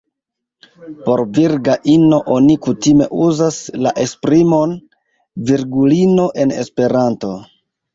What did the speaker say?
Por virga ino oni kutime uzas la esprimon "virgulino" en Esperanto.